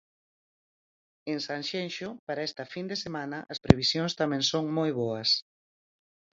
En Sanxenxo, para esta fin de semana, as previsións tamén son moi boas.